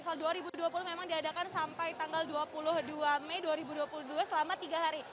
hal dua ribu dua puluh memang diadakan sampai tanggal dua puluh dua mei dua ribu dua puluh dua selama tiga hari